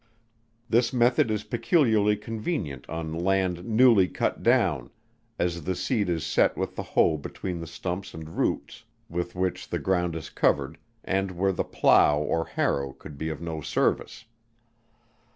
This method is peculiarly convenient on land newly cut down, as the seed is set with the hoe between the stumps and roots with which the ground is covered, and where the plough or harrow could be of no service.